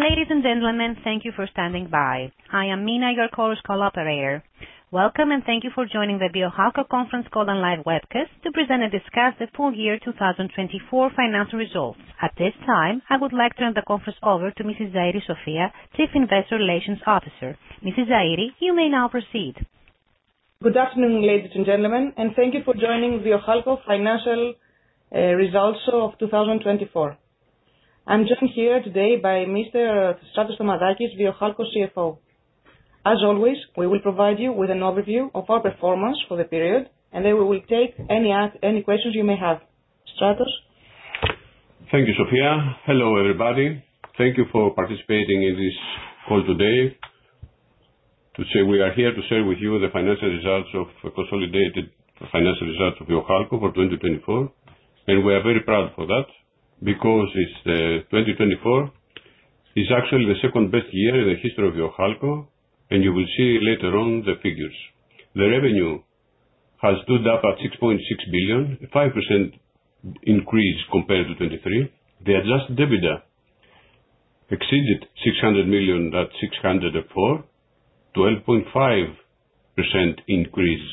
Ladies and gentlemen, thank you for standing by. I am Mina, your call's operator. Welcome, and thank you for joining the Viohalco conference call and live webcast to present and discuss the full year 2024 financial results. At this time, I would like to turn the conference over to Mrs. Sofia Zairi, Chief Investor Relations Officer. Mrs. Zairi, you may now proceed. Good afternoon, ladies and gentlemen, thank you for joining Viohalco financial results of 2024. I am joined here today by Mr. Efstratios Thomadakis, Viohalco CFO. As always, we will provide you with an overview of our performance for the period, then we will take any questions you may have. Stratos? Thank you, Sofia. Hello, everybody. Thank you for participating in this call today. We are here to share with you the consolidated financial results of Viohalco for 2024. We are very proud for that because 2024 is actually the second-best year in the history of Viohalco. You will see later on the figures. The revenue has stood up at 6.6 billion, a 5% increase compared to 2023. The adjusted EBITDA exceeded 600 million at 604, 12.5% increase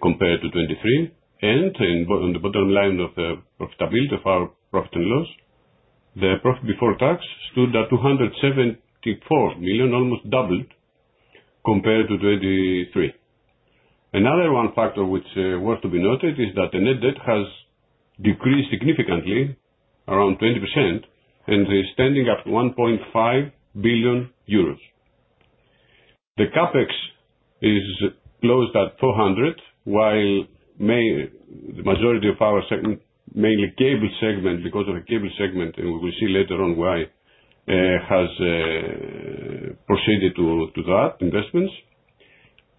compared to 2023. On the bottom line of profitability of our profit and loss, the profit before tax stood at 274 million, almost doubled compared to 2023. Another factor which worth to be noted is that the net debt has decreased significantly, around 20%, and is standing at 1.5 billion euros. The CapEx is closed at 400, while the majority of our segment, mainly cable segment, because of the cable segment, we will see later on why, has proceeded to that investments.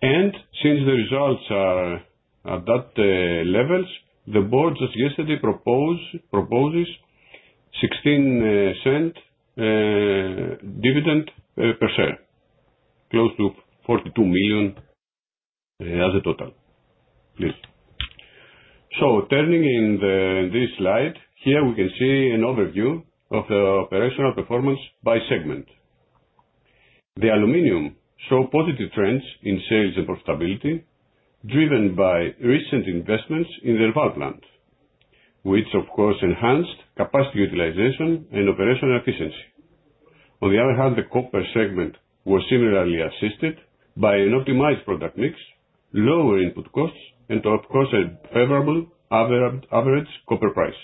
Since the results are at that levels, the board just yesterday proposes 0.16 dividend per share, close to 42 million as a total. Please. Turning in this slide, here we can see an overview of the operational performance by segment. The aluminum show positive trends in sales and profitability, driven by recent investments in the Elval plant, which, of course, enhanced capacity utilization and operational efficiency. On the other hand, the copper segment was similarly assisted by an optimized product mix, lower input costs, and of course, a favorable average copper price.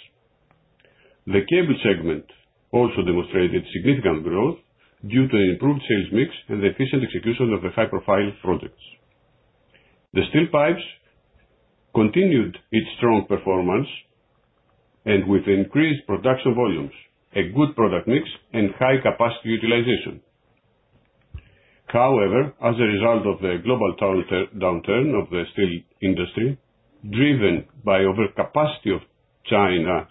The cable segment also demonstrated significant growth due to an improved sales mix and the efficient execution of the high-profile projects. The steel pipes continued its strong performance with increased production volumes, a good product mix, and high capacity utilization. However, as a result of the global downturn of the steel industry, driven by overcapacity of China's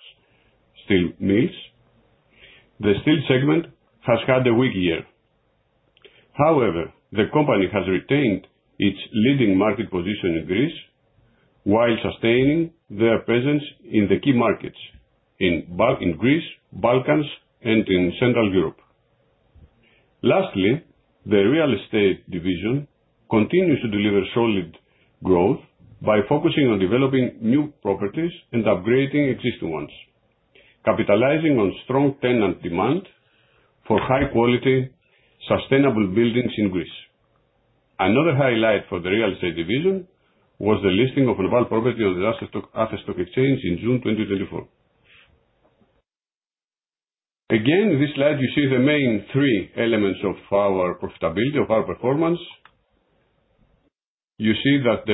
steel mills, the steel segment has had a weak year. However, the company has retained its leading market position in Greece while sustaining their presence in the key markets in Greece, Balkans, and in Central Europe. Lastly, the real estate division continues to deliver solid growth by focusing on developing new properties and upgrading existing ones, capitalizing on strong tenant demand for high-quality, sustainable buildings in Greece. Another highlight for the real estate division was the listing of Noval Property on the Athens Stock Exchange in June 2024. This slide, you see the main three elements of our profitability, of our performance. You see that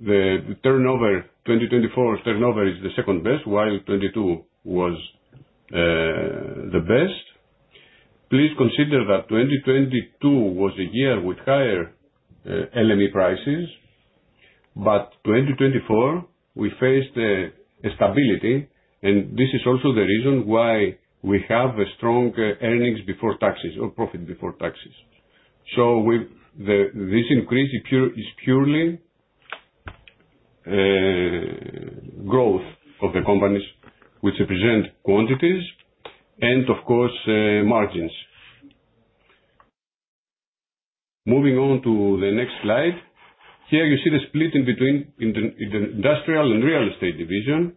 the 2024 turnover is the second best, while 2022 was the best. Please consider that 2022 was a year with higher LME prices, but 2024, we faced stability, and this is also the reason why we have a strong earnings before taxes or profit before taxes. This increase is purely growth of the companies, which represent quantities and, of course, margins. Moving on to the next slide. Here you see the split in between the industrial and real estate division.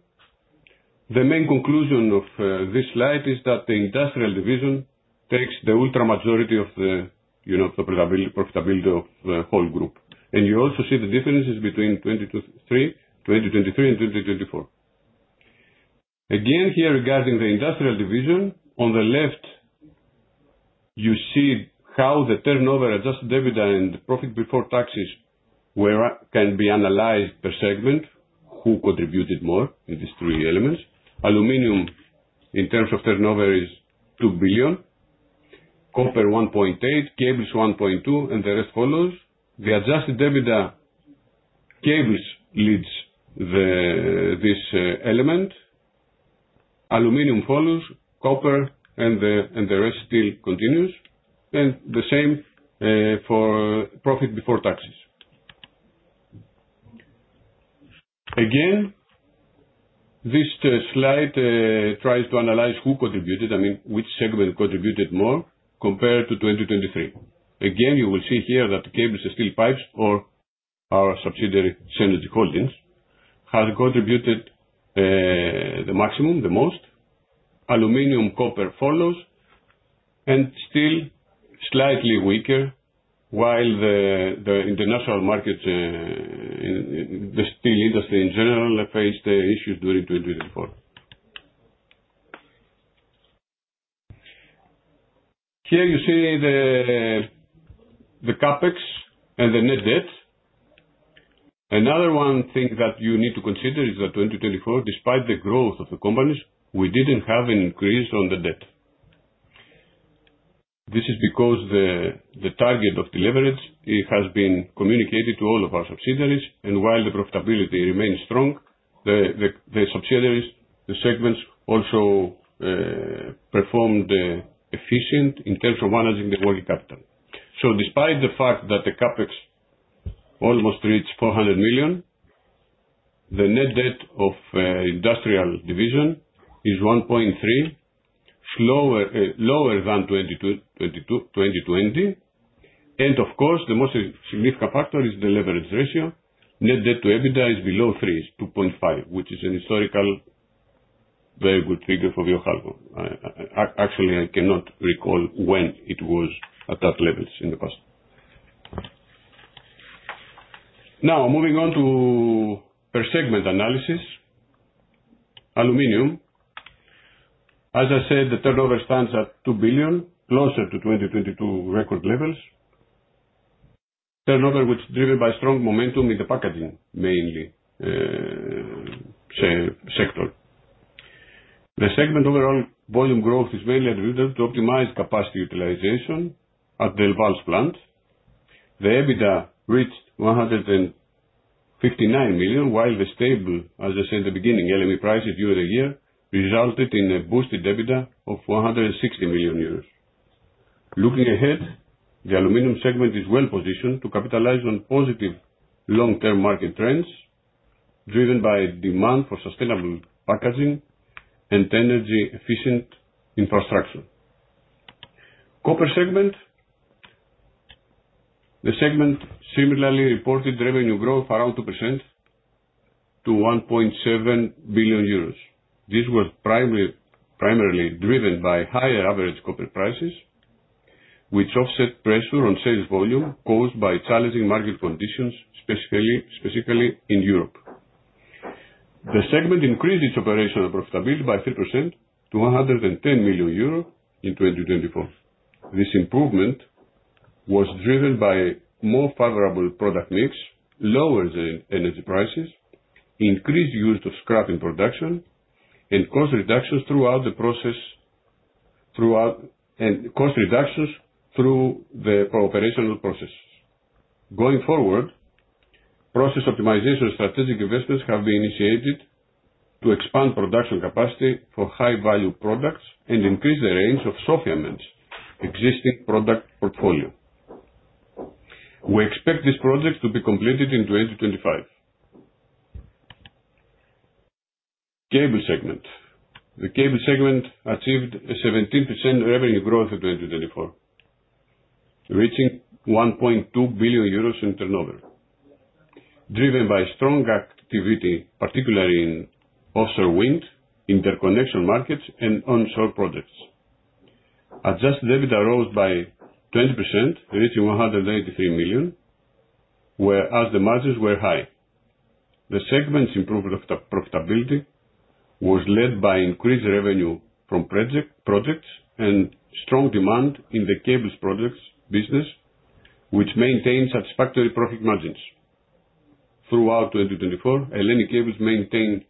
The main conclusion of this slide is that the industrial division takes the ultra majority of the profitability of the whole group. You also see the differences between 2023 and 2024. Here, regarding the industrial division, on the left, you see how the turnover, adjusted EBITDA, and the profit before taxes can be analyzed per segment, who contributed more in these three elements. Aluminum, in terms of turnover, is 2 billion, copper 1.8 billion, cables 1.2 billion, and the rest follows. The adjusted EBITDA, cables leads this element, aluminum follows, copper, and the rest still continues. The same for profit before taxes. This slide tries to analyze who contributed, I mean, which segment contributed more compared to 2023. You will see here that cables and steel pipes or our subsidiary, Cenergy Holdings, has contributed the maximum, the most. Aluminum, copper follows, and steel, slightly weaker while the international market, the steel industry in general, faced issues during 2024. Here you see the CapEx and the net debt. One thing that you need to consider is that 2024, despite the growth of the companies, we didn't have an increase on the debt. This is because the target of the leverage, it has been communicated to all of our subsidiaries, while the profitability remains strong, the subsidiaries, the segments also performed efficient in terms of managing the working capital. Despite the fact that the CapEx almost reached 400 million, the net debt of industrial division is 1.3 billion, lower than 2020. Of course, the most significant factor is the leverage ratio. Net debt to EBITDA is below three, is 2.5, which is an historical very good figure for Viohalco. Actually, I cannot recall when it was at that levels in the past. Now, moving on to per segment analysis. Aluminum. As I said, the turnover stands at 2 billion, closer to 2022 record levels. Turnover was driven by strong momentum in the packaging, mainly, sector. The segment overall volume growth is mainly attributed to optimized capacity utilization at the Elval plant. The EBITDA reached 159 million, while the stable, as I said at the beginning, LME prices year-to-year, resulted in a boosted EBITDA of 160 million euros. Looking ahead, the aluminum segment is well-positioned to capitalize on positive long-term market trends, driven by demand for sustainable packaging and energy-efficient infrastructure. Copper segment. The segment similarly reported revenue growth around 2% to 1.7 billion euros. This was primarily driven by higher average copper prices, which offset pressure on sales volume caused by challenging market conditions, specifically in Europe. The segment increased its operational profitability by 3% to 110 million euro in 2024. This improvement was driven by more favorable product mix, lower energy prices, increased use of scrap in production, and cost reductions through the operational processes. Going forward, process optimization and strategic investments have been initiated to expand production capacity for high-value products and increase the range of segment's existing product portfolio. We expect this project to be completed in 2025. Cable segment. The cable segment achieved a 17% revenue growth in 2024, reaching 1.2 billion euros in turnover, driven by strong activity, particularly in offshore wind, interconnection markets, and onshore projects. Adjusted EBITDA rose by 20%, reaching 183 million, whereas the margins were high. The segment's improved profitability was led by increased revenue from projects and strong demand in the cables business, which maintained satisfactory profit margins. Throughout 2024, Hellenic Cables maintained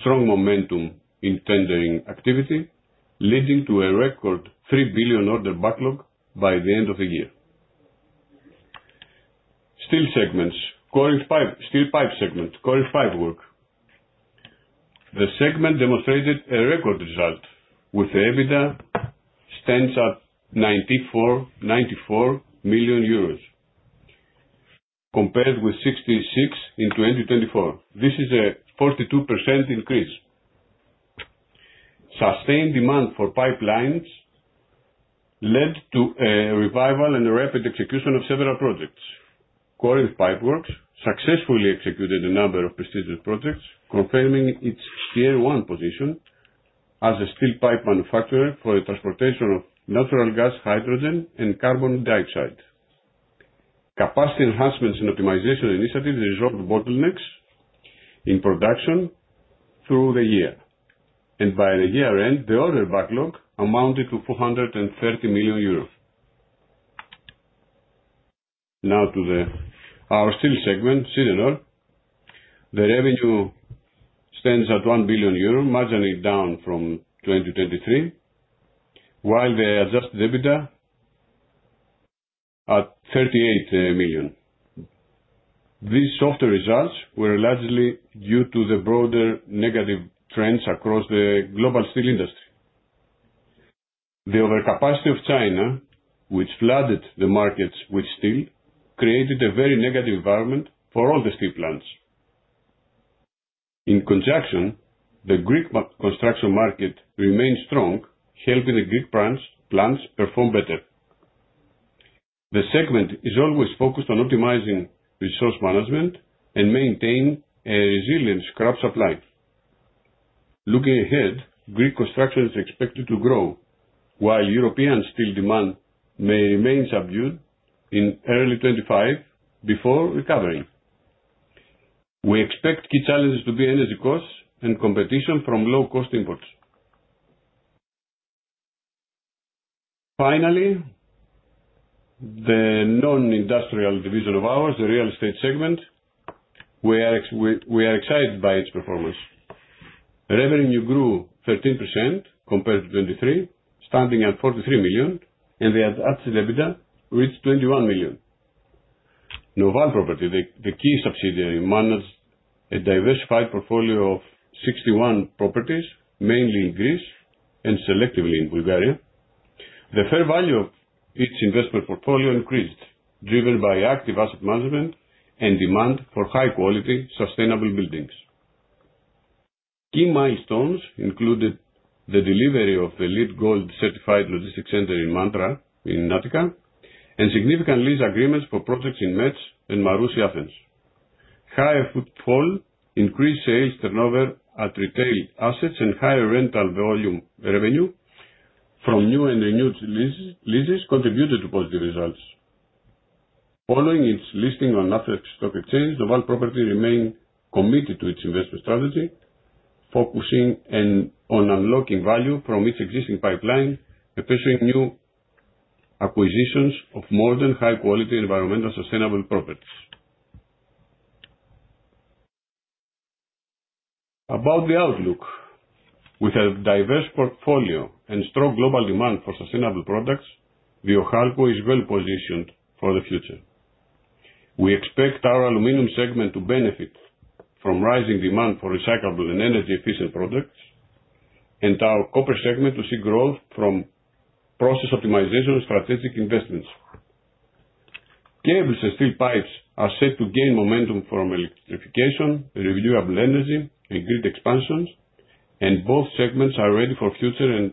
strong momentum in tendering activity, leading to a record 3 billion order backlog by the end of the year. Steel segments. Corinth Pipeworks segment, Corinth Pipeworks. The segment demonstrated a record result with EBITDA stands at 94 million euros, compared with 66 in 2023. This is a 42% increase. Sustained demand for pipelines led to a revival and rapid execution of several projects. Corinth Pipeworks successfully executed a number of prestigious projects, confirming its Tier 1 position as a steel pipe manufacturer for the transportation of natural gas, hydrogen, and carbon dioxide. Capacity enhancements and optimization initiatives resolved bottlenecks in production through the year. By the year-end, the order backlog amounted to 430 million euros. Now to our steel segment, Sidenor. The revenue stands at 1 billion euro, marginally down from 2023, while the adjusted EBITDA at 38 million. These softer results were largely due to the broader negative trends across the global steel industry. The overcapacity of China, which flooded the markets with steel, created a very negative environment for all the steel plants. In conjunction, the Greek construction market remained strong, helping the Greek plants perform better. The segment is always focused on optimizing resource management and maintain a resilient scrap supply. Looking ahead, Greek construction is expected to grow while European steel demand may remain subdued in early 2025 before recovering. We expect key challenges to be energy costs and competition from low-cost imports. Finally, the non-industrial division of ours, the real estate segment, we are excited by its performance. Revenue grew 13% compared to 2023, standing at 43 million, and the adjusted EBITDA reached 21 million. Noval Property, the key subsidiary, managed a diversified portfolio of 61 properties, mainly in Greece and selectively in Bulgaria. The fair value of its investment portfolio increased, driven by active asset management and demand for high-quality, sustainable buildings. Key milestones included the delivery of the LEED Gold certified logistics center in Mandra, in Attica, and significant lease agreements for projects in Metaxourgeio and Marousi, Athens. Higher footfall increased sales turnover at retail assets and higher rental volume revenue from new and renewed leases contributed to positive results. Following its listing on Athens Stock Exchange, Noval Property remained committed to its investment strategy, focusing on unlocking value from its existing pipeline, especially new acquisitions of modern, high-quality, environmental sustainable properties. About the outlook. With a diverse portfolio and strong global demand for sustainable products, Viohalco is well-positioned for the future. We expect our aluminum segment to benefit from rising demand for recyclable and energy-efficient products, and our copper segment to see growth from process optimization and strategic investments. Cables and steel pipes are set to gain momentum from electrification, renewable energy, and grid expansions, and both segments are ready for future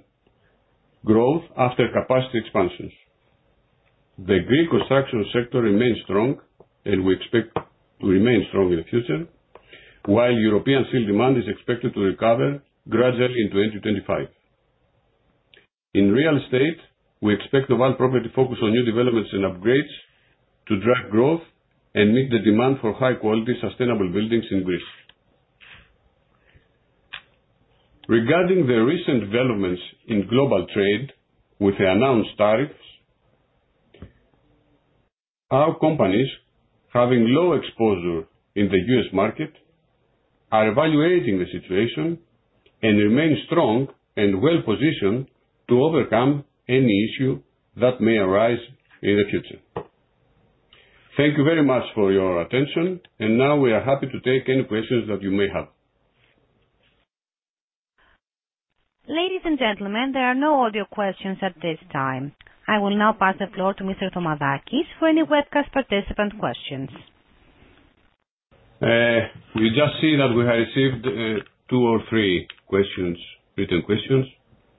growth after capacity expansions. The Greek construction sector remains strong, and we expect to remain strong in the future, while European steel demand is expected to recover gradually in 2025. In real estate, we expect Noval Property to focus on new developments and upgrades to drive growth and meet the demand for high-quality, sustainable buildings in Greece. Regarding the recent developments in global trade with the announced tariffs, our companies, having low exposure in the U.S. market, are evaluating the situation and remain strong and well-positioned to overcome any issue that may arise in the future. Thank you very much for your attention. Now we are happy to take any questions that you may have. Ladies and gentlemen, there are no audio questions at this time. I will now pass the floor to Mr. Thomadakis for any webcast participant questions. We just see that we have received two or three questions, written questions.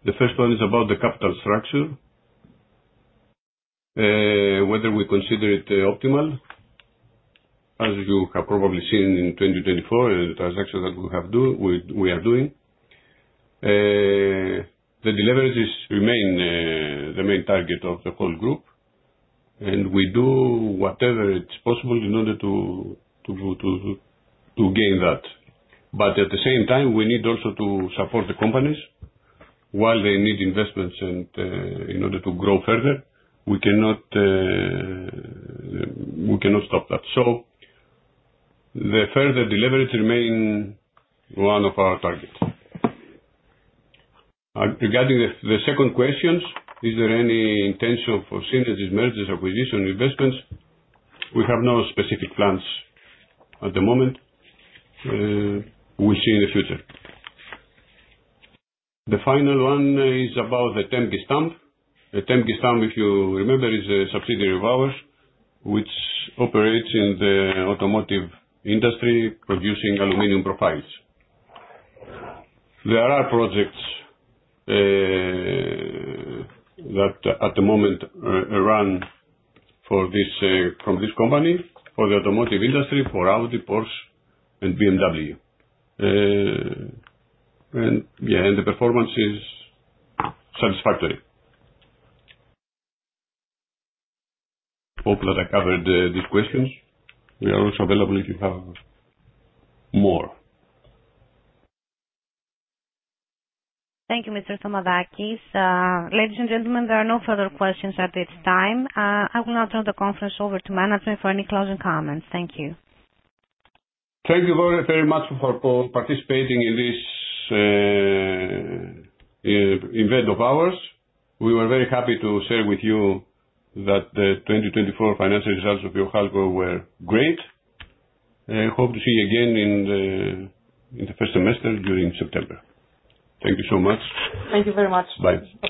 The first one is about the capital structure, whether we consider it optimal. As you have probably seen in 2024, the transaction that we are doing, the deleveraging remain the main target of the whole group, and we do whatever is possible in order to gain that. At the same time, we need also to support the companies while they need investments in order to grow further. We cannot stop that. The further deleveraging remain one of our targets. Regarding the second questions, is there any intention for synergies, mergers, acquisitions, investments? We have no specific plans at the moment. We'll see in the future. The final one is about the Etem plant. The Etem plant, if you remember, is a subsidiary of ours, which operates in the automotive industry producing aluminum profiles. There are projects that at the moment run from this company for the automotive industry, for Audi, Porsche, and BMW. The performance is satisfactory. I hope that I covered these questions. We are also available if you have more. Thank you, Mr. Thomadakis. Ladies and gentlemen, there are no further questions at this time. I will now turn the conference over to management for any closing comments. Thank you. Thank you very much for participating in this event of ours. We were very happy to share with you that the 2024 financial results of Viohalco were great, and hope to see you again in the first semester during September. Thank you so much. Thank you very much. Bye.